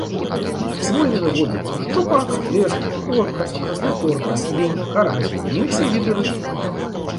У возеры водзяцца шчупак, лешч, плотка, краснапёрка, лінь, карась і іншыя віды рыб.